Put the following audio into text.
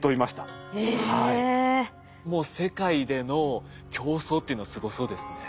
もう世界での競争っていうのはすごそうですね。